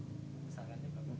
besaran di mana